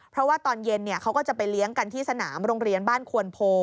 เพราะว่าตอนเย็นเขาก็จะไปเลี้ยงกันที่สนามโรงเรียนบ้านควนโพ